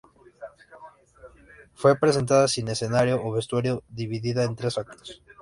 Fue presentada sin escenario o vestuario, dividida en tres actos.